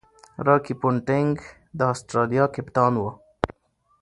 راكي پونټنګ د اسټرالیا کپتان وو.